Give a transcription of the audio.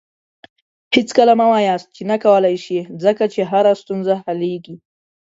هېڅکله مه وایاست چې نه کولی شې، ځکه چې هره ستونزه حلیږي.